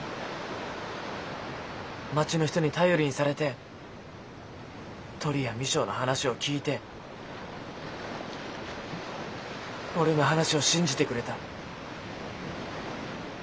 町の人に頼りにされてトリや未章の話を聞いて俺の話を信じてくれた。